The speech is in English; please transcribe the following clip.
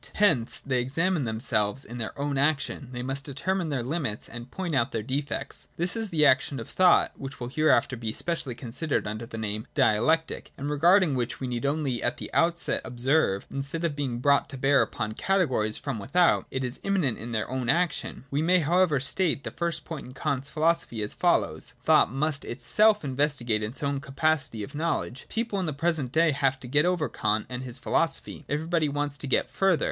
Hence they examine themselves : in their own action they must determine their hmits, and point out their defects. This is that action of thought, which will hereafter be specially considered under 41.] KANT'S PROBLEM. 85 the name of Dialectic, and regarding which we need only at the outset observe that, instead of being brought to bear upon the categories from without, it is immanent in their own action. We may therefore state the first point in Kant's philo sophy as follows : Thought must itself investigate its own capacity of knowledge. People in the present day have got over Kant and his philosophy : everybody wants to get further.